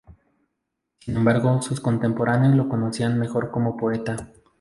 Sin embargo, sus contemporáneos lo conocían mejor como poeta.